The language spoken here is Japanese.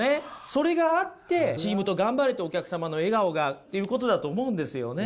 それがあってチームと頑張れてお客様の笑顔がっていうことだと思うんですよね。